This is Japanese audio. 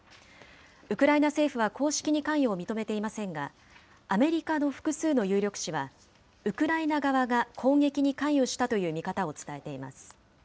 ウクライナ政府は公式に関与を認めていませんが、アメリカの複数の有力紙は、ウクライナ側が攻撃に関与したという見方を伝えています。